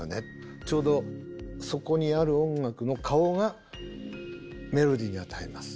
ちょうどそこにある音楽の顔がメロディーにあたります。